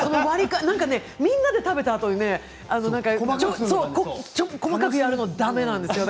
みんなで食べたあとに細かくやるのがだめなんですよ。